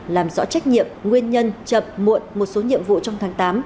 làm rõ trách nhiệm nguyên nhân chậm muộn một số nhiệm vụ trong tháng tám